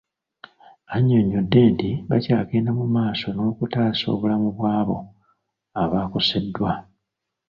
Annyonnyodde nti bakyagenda mu maaso n'okutaasa obulamu bw'abo abakoseddwa.